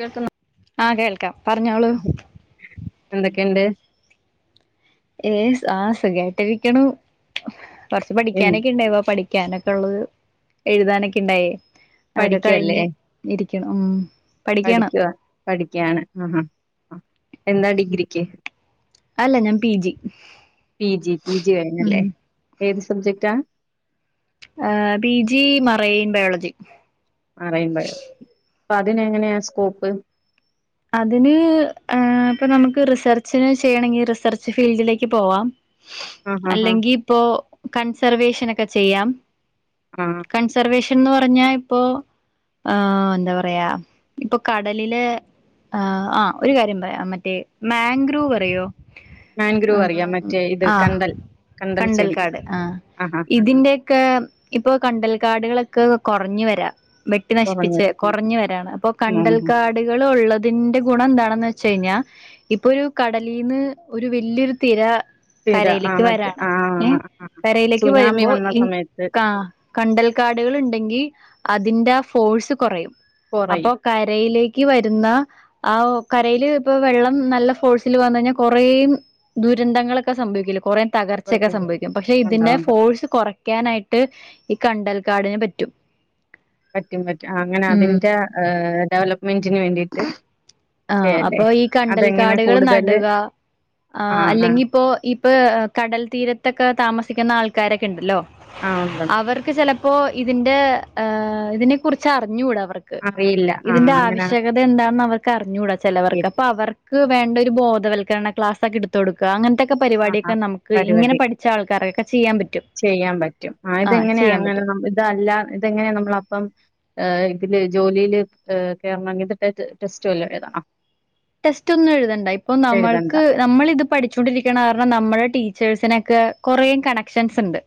കേൾക്കുന്നു ആ കേൾക്കാം പറഞ്ഞോളു എന്തക്കെണ്ട് ഏ ആ സുഖായിട്ടരിക്കണു കൊറച്ച് എ പഠിക്കാനൊക്കെ ഇണ്ടെ പടി ക്കാനൊക്കെ ഒള്ളത് എഴുതാനൊക്കെ ഇണ്ടായേ അതൊക്കെ കഴിഞ്ഞ് ഇരിക്കണു ഉം പഠിക്കാണ് പഠിക്കവാ പഠിക്കയാണ് ആഹ എന്താ ഡിഗ്രിക്ക് അല്ല ഞാൻ P G P G P G കഴ്ഞ്ഞല്ലേ ഉം ഏത് സബ്ജക്റ്റാ ആ P G marine biology marine biology അപ്പൊ അതിനെങ്ങനെയാ സ്കോപ്പ് അതിന് ആ ഇപ്പൊ നമുക്ക് റിസർച്ചിന് ചെയ്യണങ്കിൽ റിസർച്ച് ഫീൽഡിലേക്ക് പോവാം ആഹാ ഹാ അല്ലെങ്കി ഇപ്പോ കൺസർവേഷനക്കെ ചെയ്യാം ആ കൺസർവേഷ് ൻന്ന് പറഞ്ഞാ ഇപ്പോ ആ എന്താ പറയാ ഇപ്പൊ കടലിലെ ആ ആ ഒരു കാര്യം പറയാം മറ്റേ മാഗ്രു പറയോ ആ മാൻഗ്രൂവ് അറിയാം മറ്റേ ഇത് ആ കണ്ടൽ കണ്ടൽ ചെടി കണ്ടൽക്കാട് ആ ആഹാ ഇതിന്റെക്കെ ഇപ്പൊ കണ്ടൽക്കാടുകളൊക് ക്കെ കൊറഞ്ഞു വരാ വെട്ടി നശിപ്പിച്ച് കുറഞ്ഞത് കുറഞ്ഞു വരാണ് അപ്പോ ഉം ഉം. കണ്ടൽക്കാടുകൾ ഒള്ളത് ന്റെ ഗുണം എന്താണെന്ന് വെച്ച് കഴിഞ്ഞാ ഇപ്പൊ ഒരു കടലീന്ന് ഒരു വലിയൊരു തിര സ്ഥിര ആ കരയിലേക്ക് മറ്റേ വരാണ് ആ ഏ ആ ആ. കരയിലേക്ക് സുനാമി വരുമ്പോ വന്ന ഈ സമയത്ത് ക കണ്ടൽ കാടുകളിണ്ടെങ്കി അതിന്റെ ഫോഴ്സ് കൊറയും അപ്പൊ കുറയും കരയിലേക്ക് വരുന്ന ആ കരയില് ഇപ്പൊ വെള്ളം നല്ല ഫോഴ്സിൽ വന്ന കഴിഞ്ഞാൽ കുറേ ദുരന്തങ്ങളൊക്കെ സംഭ വിക്കില്ലേ കുറേ തകർച്ചയൊക്കെ കുറയുമ്പഴേ സംഭവിക്കും പക്ഷെ ഇതിന്റെ ഉണ്ടാവും ഉണ്ടാവും ഫോഴ്സ് കുറ ക്കാനായിട്ട് ഈ കണ്ടൽക്കാടിന് പറ്റും പറ്റും പറ്റും അങ്ങനെ ഉം അതിന്റെ ഡെവലപ്മെന്റിന് വേണ്ടിട്ട് ആ അപ്പൊ ഈ കണ്ടൽക്കാടുകൾ കൂടുതല് നടുക ആ അല്ലെങ്കി ഇപ്പോ ഇപ്പൊ കടൽ തീരത്തൊക്കെ താമസ ക്കുന്ന ആൾക്കാരൊക്കെ ഇണ്ടല്ലോ ആ ഉണ്ടുണ്ട് അവർക്ക് ചെല പ്പോ ഇതിന്റെ ആ ഇതിനെ കുറിച്ച് അറിഞ്ഞൂട അവർക്ക് അറിയില്ല ആ ഇതിന്റെ അങ്ങനെ ആവശ്യ എന്താന്ന് അവർക്ക് അറിഞ്ഞൂടാ അറിയ ചെലവർക്ക് അപ്പൊ അവർക്ക് വേണ്ട ഒരു ബോധവൽക്കര ക്ലാസ് ഒക്കെ എടുത്തു കൊടുക്ക അങ്ങനത്തെക്ക ആ ആ പരിപാടിയൊക്കെ നമുക്ക് ഇങ്ങനെ പരിപാടി പഠിച്ച ആക്കാർക്കൊക്കെ ചെയ്യാൻ പറ്റും ചെയ്യാൻ പറ്റും ആ ഇതെങ്ങനെയ ചെയ്യാൻ പറ്റും അങ്ങനെ ഇതല്ല ഇതെങ്ങനെയ നമ്മളപ്പം ഇതില് ജോലിയില് കേറണങ്ക ടെസ്റ്റുമല്ലോ ഏതാണോ ടെസ്റ്റ് ഒന്നും എഴുതേണ്ട ഇപ്പൊ നമ്മൾക്ക് നമ്മൾ ഇത് പഠിച്ചോണ്ടിരിക്കണ ാരണം നമ്മുടെ ടച്ചേഴ്സിനൊക്കെ കൊറേ കണക്ഷൻസ് ഉണ്ട്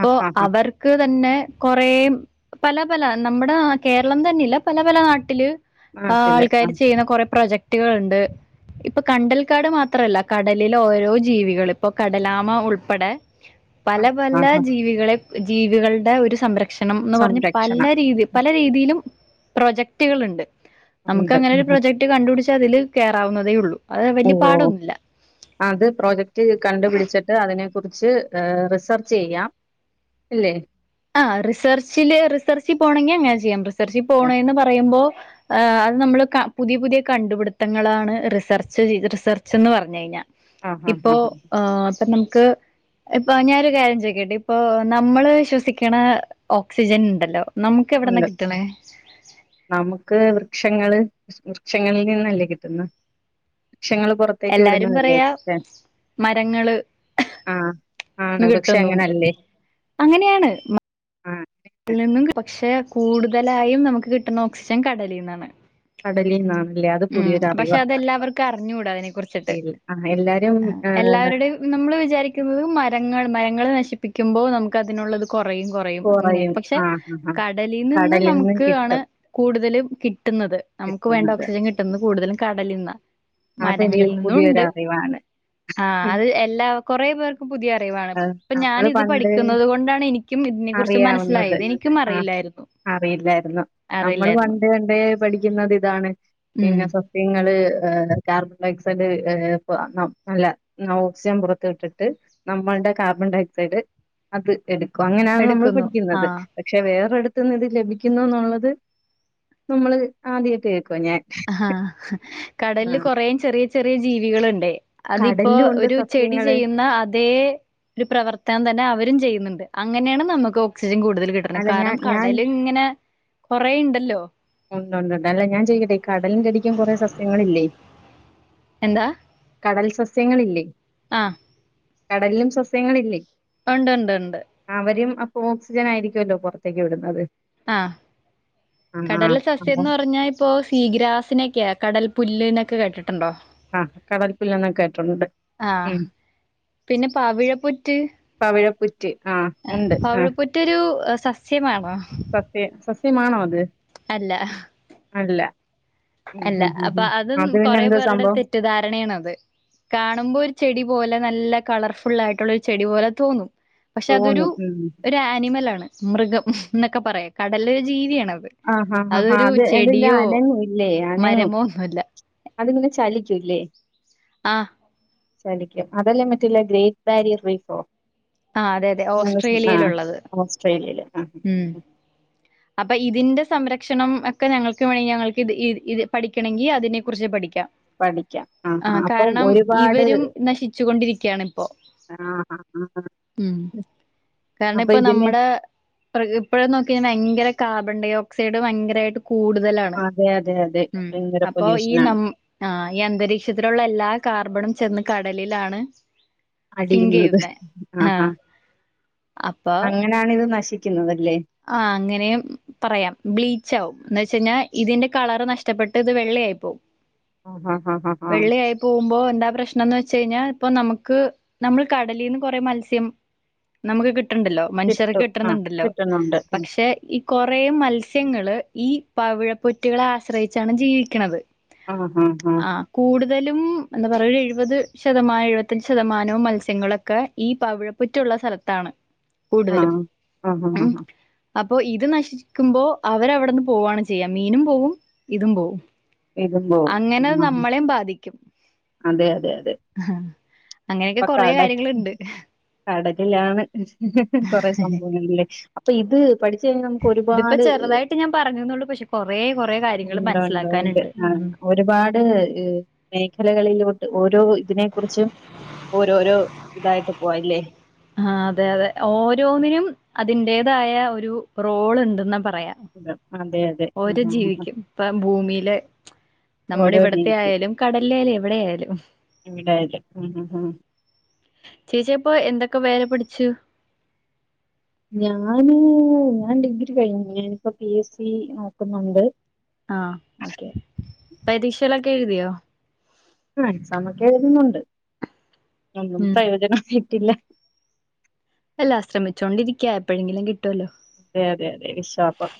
ആ ആ ആ അവർക്ക് തന്നെ കൊറേ പല പല നമ്മുടെ കേരളം തന്നെല്ല പല പല നാട്ടില് ആ നാട്ടില് ആ ആൾക്കാാര് ചെയ്യുന്ന കൊറെ പ്രൊജക്ടുകൾുണ്ട് ഇപ്പൊ കണ്ടൽക്കാട് മാത്രല്ല കടലിലെ ഓരോ ജീവികൾ ഇപ്പൊ കടലാമ ഉൾപ്പെടെ ആ പല ആ പല ആ ജീവികളെ ജീവികളുടെ ഒരു സംരക്ഷ ഭക്ഷണംന്ന് പറഞ്ഞ് പല സംരക്ഷണം രീതി പല രീതിയിലും പ്രൊജക്ടുകളുണ്ട് നമുക്ക് ഉണ്ട് അങ്ങനെ ഒരു ആഹാ പ്രൊജക്ട് കണ്ടുപിടിച്ചാ അതില് കയറാവുന്നതേ ഉള്ളൂ അത് ഓ വലിയ ഓ പാടൊന്നുമില്ല അത് പ്രോജക്റ്റ് കണ്ടുപിടിച്ചിട്ട് അതിനെ കുറിച്ച് റിസർച്ച് ചെയ്യാം അല്ലേ ആ റിസർച്ചില് റിസർച്ചിൽ പോണമെങ്ക ങ്ങഞാൻ ചെയ്യാം റിസർച്ചിൽ ഏ. പോണ എന്ന് പറയുമ്പോ ആ അത് നമ്മള് പുതിയ പുതിയ കണ്ടുപിടുത്തങ്ങളാണ് റിസർച്ച് റിസർച്ച്ന്ന് പറഞ്ഞു കഴിഞ്ഞാൽ ഇപ്പോൊ ആ ഇപ്പൊ നമുക്ക് ഇപ്പ ഞാനൊരു കാര്യം ചോക്കട്ടെ ഇപ്പൊ നമ്മള് ശ്വസിക്ക ണ ഓക്സിജൻ ഉണ്ടല്ലോ നമുക്ക് എവിടന്ന ഉണ്ട് കിട്ടണേ നമുക്ക് വൃക്ഷങ്ങള് വൃക്ഷങ്ങളിൽ നിന്നല്ലേ കിട്ടുന്ന വക്ഷങ്ങൾ പുറത്തേക്ക് എല്ലാരും വിടുന്നതല്ലേേ പറയാ മരങ്ങള് ആഹ ആണ് പക്ഷെ കിട്ടുന്നു അങ്ങനെല്ലേ അതിൽ നിന്നും പക്ഷെ കൂടുതലായും നമുക്ക് കിട്ടുന്ന ഓക്സിജൻ കടലിൽ നിന്നാണ് കടലി നാണ് ഉം പക്ഷെ അതെല്ലാവർക്കും അറിഞ്ഞൂടാ അതിനെ കുറിച്ചിട്ട് അറിയില്ല ആഹ് എല്ലാരും ആ ഏഹ് എല്ലാവരുടെയും നമ്മള് വിചാരിക്കുന്നത് മരങ്ങൾ മരങ്ങൾ നശിപ്പ പിക്കുമ്പോ നമുക്ക് അതിനുള്ളത് കുറയും കുറയും അങ്ങനെയാണ് പക്ഷെ ആഹ് ആഹ് ആഹ് കടലിൽ നിന്ന് കടലിന്ന് നമുക്ക് ആണ് കിട്ടും കൂടുതലും കി നമുക്ക് വേണ്ട കിട്ടുന്നത് ഓക്സിജൻ കിട്ട കൂടുതലും കടലന്ന് അതൊരു മരങ്ങളിൽ നിന്നും പുതിയൊരു ഉണ്ട് അറിവാണ് ആ അത് എല്ലാ കൊറെ പേർക്കും പുതിയ അറിവാണ് ആഹ് ഇപ്പൊ ഞാൻ നമ്മള് ഇത് പണ്ട് പഠിക്കുന്നുന്നത് കൊണ്ടാണ് എനിക്കും അതിനെ കുറിച്ച് അറിയാവുന്നത് മനസ്സിലായത് എനിക്കും ആഹ് അറിയില്ലായിരുന്നു അറിയില്ലായിരുന്നു നമ്മൾ അറിയില്ലായിരുന്നു വണ്ട കണ്ട പഠിക്കുന്നുന്നത് ഇതാണ് ഉം പിന്നെ സസ്യങ്ങള് ഹ കാർബൺ ഡൈ ഓക്സൈഡ് നല്ല ഓക്സിജൻ പുറത്ത ഇട്ടിട്ട് നമ്മളുടെ കാർബ ക്സഡ് അത് എടുക്കും അങ്ങനെയാണ് നമ്മൾ എടുക്കുന്നു പഠിക്കുന്നത് ആഹ് പക്ഷെ വേറെടുത്ത് കത്തുന്നത് ലഭിക്കുന്നു എന്നുള്ളത് നമ്മള് ആദ്യത്തെ ആഹ കടലില് കൊറേയും ചെറിയ ചെറിയ ജീവികളുണ്ട് അതിപ്പോൊ കടലിലും ഉണ്ട് ഒരു ചെടി സസ്യങ്ങള് ചെയ്യുന്ന അതേ ഒരു പ്രവർത്തനം തന്നെ അവരും ചെയ്യുന്നുണ്ട് അങ്ങനെയാണ് നമുക്ക് ഓക്സിജൻ കൂടുതൽ കിട്ടണം അല്ല ഞാൻ കാരണം ഞാൻ കടല ഇങ്ങനെ കൊറെേ ഉണ്ടല്ലോ ഉണ്ട്ണ്ട്ണ്ട് അല്ല ഞാൻ ചെയ്യട്ടെ ഈ കടലിിൽ കടിക്കാൻ കുറെേ സസ്യങ്ങളില്ലേ എന്താ കടൽ സസ്യങ്ങളില്ലേ ആ കടലിലും സസ്യങ്ങളല്ലേ ഉണ്ട്ണ്ട് ഉണ്ട് ഓക്സിജൻ ആയിരിക്കുമല്ലോ പുറത്തേക്ക് വിടുന്നത് ആഹ ആ കടലിലെ സസ്യം ആ എന്ന് പറഞ്ഞാ ഇപ്പോൊ സീഗ്രാസിനെക്ക കടൽ പുല് എന്നൊക്കെ കേട്ടിട്ട് ആഹ കടൽപ്പില്ലന്ന കേട്ടിട്ടുണ്ട് ആഹ് ഉം പിന്നെ പാവിഴപ്പൊറ്റ് പവിഴപ്പുറ്റ് ആ ഉണ്ട് പവിഴ പ്പറ്റൊരു സസ്യമാണ് സസ്യം സസ്യമാണോ അത് അല്ല അല്ല ഉം അല്ല ഉം ഉം അപ്പൊ ഉം അതും അത് പിന്നെ കൊറ എന്തോ പേരുടെ സംഭവം തെറ്റിധാരണയാണ അത് കാണുമ്പോ ഒരു ചെടി പോലെ നല്ല കളർഫുൾ ആയിട്ടുള്ള ഒരു ചെടി പോലെ തോന്നും പക്ഷെ അതൊരു തോന്നും ഉം ഒരു ആനിമല ആണ് മൃഗം എന്നൊക്കെ പറയാം കടലരു ജീവിയാണ് ആഹ ആ ആ അത് അത അനങ്ങും അല്ലേ അനങ്ങും മരമോ ഒന്നുല്ല. അത്ങ്ങനെ ചലിക്കൂല്ലേ ആഹ ചലിക്കും അതെല്ലേ മറ്റില്ല ഗ്രേറ്റ് ബാരിയർ റീഫോ ആ അതെ അതെ ഓസ്ട്രേലിയയില ആഹ് ഉള്ളത് ഓസ്ട്രേലിയയില് ആഹ് ഉം അപ്പൊ ഇതിന്റെ സംരക്ഷണം ഒക്കെ ഞങ്ങൾക്ക് വേണെങ്കിൽ ഞങ്ങൾക്ക് ഇ പഠിക്കണമെങ്കി അതിനെ കുറിച്ച് പഠിക്കാം പഠിക്കാം ആഹ് ആഹ ആഹ് അപ്പൊ കാരണം ഒരുപാട് ഇവരും നശിച്ചുകൊണ്ടിരിക്കയാണ് ഇപ്പോ ആഹ് ആഹ് ആഹ് കാരണം അപ്പൊ ഇപ്പ ഇതിന് നമ്മുടെ ഇപ്പോഴ നോക്കിയാൽ ഭയങ്കര കാർബൺ ഡയ ഓക്സൈഡ് ഭയങ്കരമായിട്ട് കൂടുതലാണ് അതെ അതെ അതെ ഉം ഭയങ്കര അപ്പൊ ഈ ന പൊല്യൂഷനാണ് ആ ഈ അന്തരീക്ഷത്തിലുള്ള എല്ലാ കാർബണും ചെന്ന് കടലിലാണ് സിങ്ക് അടിയുന്നത് ചെയ്യുന്നെ ആഹ ആഹ് അങ്ങനെയാണ് ഇത് നശിക്കുന്നത് ആ അങ്ങനെ പറയാം ബ്ലീച്ച് ആവും എന്ന് വെച്ച് കഴിഞ്ഞാൽ ഇതിന്റെ കളർ നഷ്ടപ്പെട്ട് ഇത് വെള്ളയായി പോകും ആഹ് ആഹ് ആഹ് ആഹ് ആഹ് വെള്ളയായി പോകുമ്പോ എന്താ പ്രശ്നംന്ന് വെ ച്ച് കഴിഞ്ഞാൽ ഇപ്പ നമുക്ക് നമ്മൾ കടലിന്ന് കൊറേ മത്സ്യം നമുക്ക് കി ണ്ടല്ലോ മനുഷ്യർക്ക് കിട്ടും ആഹ് കിട്ടുന്നുണ്ടല്ലോ കിട്ടുന്നുണ്ട് ആഹ് പക്ഷെ ഈ കോറേ മത്സ്യങ്ങൾ ഈ പവിഴപ്പൊറ്റുകളളെ ആശ്രയിച്ചാണ് ജീവിക്കുന്നത് ഹാ ഹാ ഹാ കൂടുതലും എന്താ പറയ ഒരു എഴുപത് ശതമാനം എഴുപത്തഞ്ച് ശതമാനവും മത്സ്യങ്ങളൊക്കെ ഈ പവിഴപ്പുറ്റുള്ള സ്ഥലത്താണ് ആ കൂടുതലും ഹാ ഹാ ഉം ഹാ അപ്പൊ ഇത് നശിക്കുമ്പോ അവര് അവിടെന്ന് പോവാണ് ചെയ്യ മീനും പോവും ഇതും പോവും ഇതും പോവും അങ്ങനെ ആഹ് നമ്മളെയും ബാധിക്കും അതെ അതെ അതെ ആ അങ്ങനെയൊക്കെ കൊറെ കാര്യങ്ങുണ്ട് കൊറ സംഭവങ്ങളല്ലേ അപ്പൊ ഇത് പഠിച്ചു കഴിഞ്ഞാൽ നമുക്ക് ഇതിപ്പോ ഒരുപാട് ചെറുതായിട്ട് ഞാൻ പറഞ്ഞുന്നുള്ളൂ പക്ഷെ കൊറേ കൊറേ കാര്യങ്ങൾ ഉണ്ട ഉണ്ട് ഉണ്ട് മനസ്സിലാക്കാനുണ്ട് ആ ഉം ഒരുപാട് മേഖലകളിലോട്ട് ഓരോ ഇതിനെ കുറിച്ചും ഓരോരോ ഇതായിട്ട് പോവാല്ലേ ആ അതെ അതെ ഓരോന്നിനും അതിന്റേതായ ഒരു റോൾ ഉണ്ടെന്ന് പറ പറയാ അതെ അതെ ഓരോ ആഹ് ആഹ് ആഹ് ജീവിക്കും ഇപ്പ ഭൂമിയില് നമ്മുടെ ഓരോ ഇവിടത്തെ ജീവിക്കും ആയാലും കടലിലായാലും എവിടെ ആയാലും എവിടായാലും ആഹ് ആഹ് ആഹ് ചേച്ചിപ്പോ എന്തൊക്കെ വേല പഠിച്ചു ഞാന് ഞാൻ ഡിഗ്രി കഴിഞ്ഞു ഞാനിപ്പോ പി എസ് സി നോക്കുന്നുണ്ട് ആ ഓക്കെ പരീക്ഷയിലൊക്കെ എഴുതിയോ ആഹ് എക്സാമൊക്കെ എഴുതുന്നുണ്ട് ഒന്നും ഉം പ്രയോജനപ്പെട്ടില്ല അല്ലാ ശ്രമിച്ചോണ്ടിരിക്കയ എപ്പോഴെങ്കിലും കി അതെ അതെ അതെ വിശാപം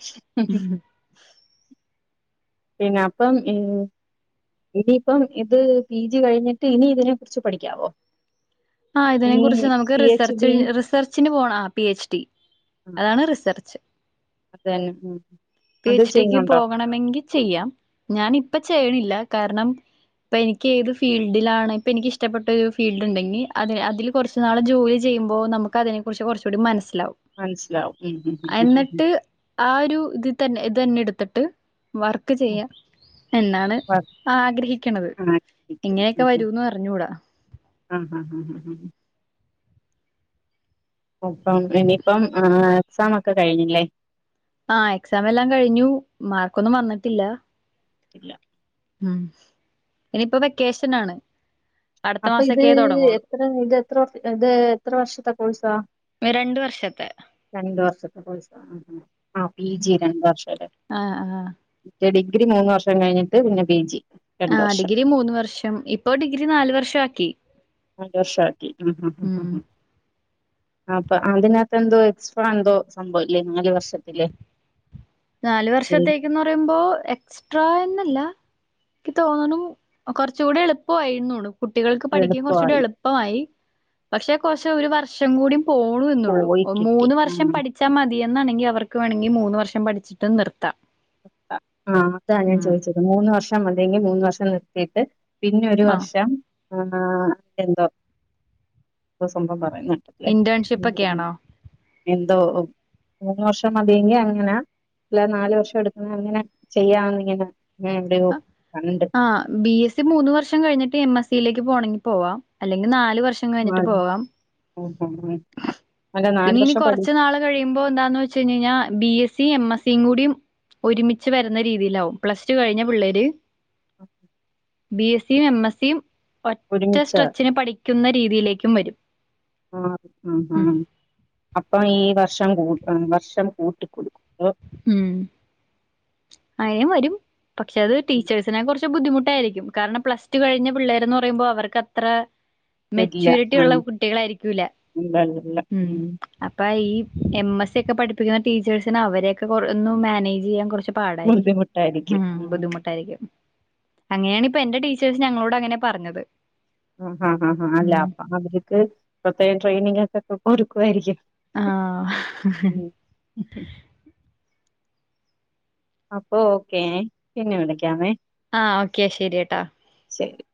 പിന്നെ അപ്പം ഇനിയിപ്പം ഇത് പി ജി കഴിഞ്ഞിട്ട് ഇനി ഇതിനെ കുറിച്ച് പഠിക്കാവോ ആ ഇതിനെ ഇനി കുറിച്ച് നമുക്ക് പി എച്ച് റിസർച്ച് ഡി റിസർച്ചിന് പോണ പി എച്ച് ഡി ആ അതാണ് റിസർച്ച് അത് തന്നെ ഉം പി അത് എച് ഡി ക്ക് ചെയ്യുന്നുണ്ടോ പോകണമെങ്കിൽ ചെയ്യാം ഞാൻ ഇപ്പ ചെയ്യണില്ല കാരണം ഇപ്പൊ എനിക്ക് ഏത് ഫീൽഡിലാണ് ഇപ്പൊ എനിക്ക് ഇഷ്ടപ്പെട്ട ഒരു ഫീൽഡ് ഉണ്ടെങ്കിൽ അതെ അതില് കുറച്ചുനാള് ജോലി ചെയുമ്പോ നമുക്ക് അതിനെ കുറിച്ച് കുറച്ചുകൂടി മനസ്സ് മനസ്സിലാവും ഉം ഉം ഉം ഉം എന്നിട്ട് ഉം ആ ഒരു ഇത് തന്നെ ഇത് തന്നെ എടുത്തിട്ട് വർക്ക് ഉം. ചെയ്യാം എന്നാണ് വ- ആഗ്രഹിക്കണത് ആ ഇരിക്കുന്നു. എങ്ങനെയൊക്കെ ഉം, ഉം. വരൂന്ന് പറഞ്ഞൂടാ ആ ഹാ ഹ ഹ അപ്പം ഇനിയിപ്പം എക്സാം ഒക്കെ കഴിഞ്ഞില്ലേ ആ എക്സാം എല്ലാം കഴിഞ്ഞു മാർക്കൊന്നും വന്നിട്ടില്ല ല്ല ഉം ഇനിയിപ്പോ വെക്കേഷൻ ആണ് അടുത്ത അപ്പൊ ഇത് മാസൊക്കെ തുടങ്ങുള്ളൂ എത്ര ഇത് എത്ര ഇത് എത്ര വർഷത്തെ കോഴ്സാ രണ്ട് വർഷത്തെ രണ്ട് വർഷത്തെ കോഴ്സാ ആ പി ജി രണ്ട് വർഷം അല്ലേ ആ ആ മറ്റേ ഡിഗ്രി മൂന്ന് വർഷം കഴിഞ്ഞിട്ട് പിന്നെ പി ജി ആ രണ്ട് വർഷം ഡിഗ്രി മൂന്ന് വർഷം ഇപ്പൊ ഡിഗ്രി നാല് വർഷം ആക്കി നാല് വർഷമാക്കി ഉ ഉം അപ്പൊ അതിനകത്ത് എന്തോ എന്തോ സംഭവ ഇല്ലേ നാല് വർഷത്തിലേ നാലു വർഷത്തേക്ക്‌ന്ന് പറയുമ്പോ എക്സ്ട്രാ എന്നല്ല എക്ക് തോന്നണ് കുറച്ച കൂടെ എളുപ്പമായിുന്നൂട കുട്ടികൾക്ക് പഠിക്കാൻ കുറച്ചൂടി എളുപ്പമായി എളുപ്പമായി പക്ഷെ കുറച്ച് ഒരു വർഷം കൂടി പോണു എന്നുള്ളൂ പോയി കിട്ടി മൂന്ന് ഉം വർഷം പഠിച്ചാൽ മതി എന്നാെങ്ക അവർക്ക് വേണമെങ്കിൽ മൂന്ന് വർഷം പഠ വച്ചിട്ട് നിർത്താം ആ അതാ ഞാൻ ഉം ചോദിച്ചത് മൂന്ന് വർഷം അല്ലെങ്കിൽ മൂന്ന് വർഷം നിർത്തിയിട്ട് പിന്നെ ഒരു ആഹ് വർഷം ആ എന്തോ സംഭവം പറു വയനാട്ടേ ഇന്റേൺഷിപ്പ് ഒക്കെയാണോ എന്തോ മൂന്ന് വർഷം മതിയെങ്കി അങ്ങനെ അല്ല നാലല് വർഷം എടു അങ്ങനെ ചെയ്യാംന്ന്ങ്ങനെ ആ ബി എസ് സി മൂന്ന് വർഷം കഴിഞ്ഞിട്ട് എം എസ് സയിലേക്ക് പോണമെങ്കിൽ പോവാം അല്ലെങ്കിൽ നാല് വർഷം കഴിഞ്ഞിട്ട് ആഹ് പോവാ ഉം ഉം ഉം അല്ല നാല് പിന്നെ ഇനി വർഷം പഠി കൊറച്ച നാള് കഴിയുമ്പോ എന്താന്ന് വെച്ച് കഴ കഴിഞ്ഞാൽ B S C M S സും കൂടിയ ഒരുമിച്ച് വരുന്ന രീതിയിലാവും പ്ലസ് ടു കഴിഞ്ഞ പിള്ളേര് ബി എസ് സിയും എം എസ് സിയും ഒറ്റ ഒരുമിച്ചാ സ്ട്രെച്ചിന് പഠിക്കുന്ന രീതിയിലേക്കും വരും ആ ഉ ഉം ഹ അപ്പൊ ഈ വർഷം കൂ വർഷം കൂട്ടിക്കൊടുക്കും ഉം അയിനയും വരും പക്ഷെ അത് ടീച്ചേഴ്സിനെ കുറിച്ച് ബുദ്ധിമുട്ടായിരിക്കും കാരണം പ്ലസ് ടു കഴിഞ്ഞ പിള്ളേർ എന്ന് പറയുമ്പോൾ അവർക്ക് അത്ര ഇല്ല മെച്ചൂരിറ്റി ഉള്ള ആഹ് കുട്ടികളായിരിക്കൂല ഉം അപ്പ ഈ എം എസ് സി ഒക്കെ പഠിപ്പിക്കുന്ന ടീച്ചേഴ്സിന് അവരെയൊക്കെ ഒന്ന് മാനേജ് ചെയ്യാൻ കുറച്ച് പാടായിരിക്കും ബുദ്ധിമുട്ടായിരിക്കും ഉ ഉം ബുദ്ധിമുട്ടായിരിക്കും അങ്ങനെയാണ് ഇപ്പൊ എന്റെ ടീച്ചേഴ്സ് ഞങ്ങളോട് അങ്ങനെ പറഞ്ഞത് ആ ഹ ഹാ ഹാ അല്ല ഉം അപ്പൊ അവർക്ക് പ്രത്യേകം ട്രെയിനിങ് ഒക്കെക്കെ ഒരുക്കുവായിരിക്കും ആ അപ്പൊ ഓക്കേ പിന്നെ വിളിക്കാമേ ആഹ ഓക്കെ ശെരി ട്ടാ ശരിങ്ക്